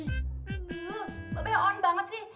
mbak be on banget sih